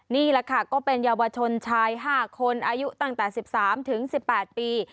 นี่แหละค่ะก็เป็นเยาวชนชาย๕คนอายุตั้งแต่๑๓๑๘ปี